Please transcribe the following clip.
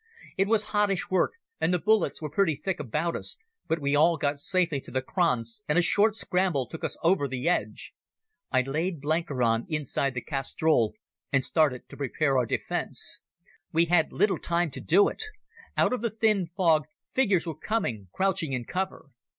It was hottish work, and the bullets were pretty thick about us, but we all got safely to the kranz, and a short scramble took us over the edge. I laid Blenkiron inside the castrol and started to prepare our defence. We had little time to do it. Out of the thin fog figures were coming, crouching in cover.